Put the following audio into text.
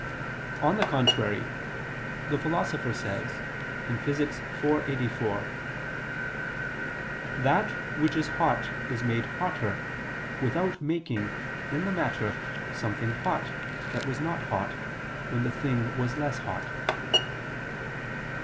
On the contrary, The Philosopher says (Phys. iv, text. 84): "That which is hot is made hotter, without making, in the matter, something hot, that was not hot, when the thing was less hot."